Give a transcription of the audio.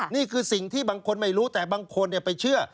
นี่คือสิ่งที่บางคนไม่รู้แต่บางคนไปเชื่อ